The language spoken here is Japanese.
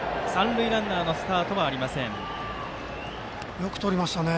よくとりましたね。